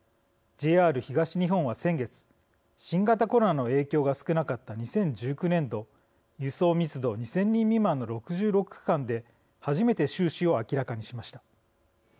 ＪＲ東日本は先月新型コロナの影響が少なかった２０１９年度輸送密度２０００人未満の６６区間で初めて収支を明らかにしました。